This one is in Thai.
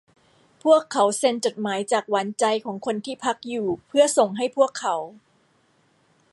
พวกเขาเซ็นจดหมายจากหวานใจของคนที่พักอยู่เพื่อส่งให้พวกเขา